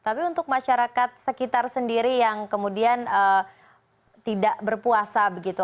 tapi untuk masyarakat sekitar sendiri yang kemudian tidak berpuasa begitu